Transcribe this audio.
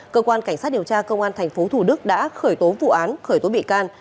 cơ quan cảnh sát điều tra công an tp hcm đã khởi tố vụ án khởi tố bị can